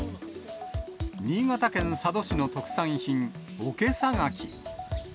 新潟県佐渡市の特産品、おけさ柿。